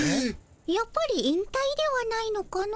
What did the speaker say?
やっぱり引たいではないのかの。